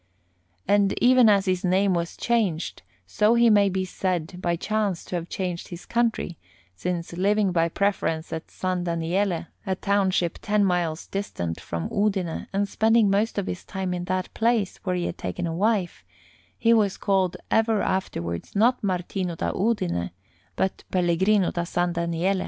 And even as his name was changed, so he may be said by chance to have changed his country, since, living by preference at San Daniele, a township ten miles distant from Udine, and spending most of his time in that place, where he had taken a wife, he was called ever afterwards not Martino da Udine, but Pellegrino da San Daniele.